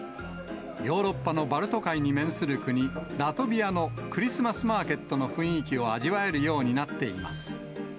ヨーロッパのバルト海に面する国、ラトビアのクリスマスマーケットの雰囲気を味わえるようになっています。